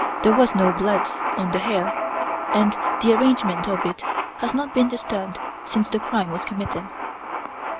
There was no blood on the hair, and the arrangement of it has not been disturbed since the crime was committed."